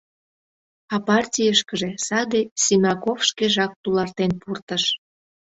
А партийышкыже... саде Симаков шкежак тулартен пуртыш.